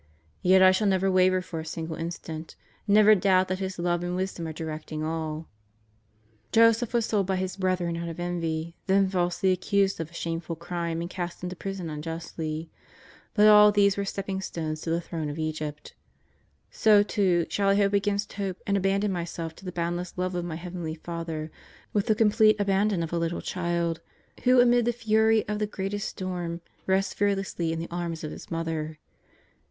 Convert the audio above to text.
Yet I shall never waver for a single instant; never doubt that His love and wisdom are directing all, Joseph was sold by his brethren put of envy, then falsely accused of a shameful crime and cast into prison unjustly; but all these were steppingstones to the throne of Egypt, So too, shall I hope against hope and abandon myself to the boundless love of my heavenly Father with the complete abandon of a little child who amid the fury of the greatest storm, rests fearlessly in the arms of his mother.